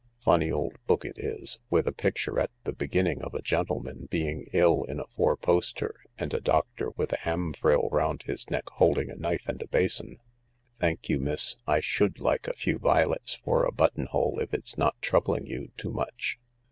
Funny old book it is, with a picture at the beginning of a gentleman being ill in a four poster and a doctor with a ham frill round his neck holding a knife and a basin. Thank THE LARK 77 you, miss, I should like a few vilets for a buttonhole if it's not troubling you too much."